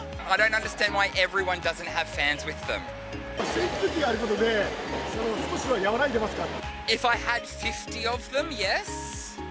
扇風機があることで、少しは和らいでますか。